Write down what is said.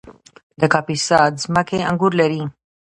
د کاپیسا ځمکې انګور لري